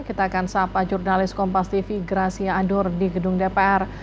kita akan sapa jurnalis kompas tv gracia adur di gedung dpr